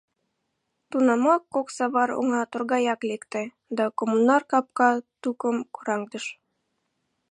Тунамак кок савар оҥа торгаят лекте, да коммунар капка тукым кораҥдыш.